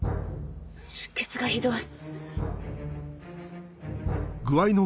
・出血がひどい。